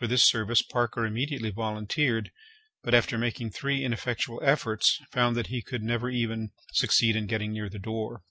For this service Parker immediately volunteered; but, after making three ineffectual efforts, found that he could never even succeed in getting near the door.